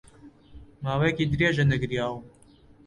ماوەیەکی درێژە نەگریاوم.